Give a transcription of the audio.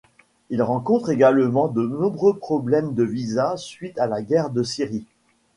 Il rencontre également de nombreu problèmes de visas suite à la Guerre de Syrie.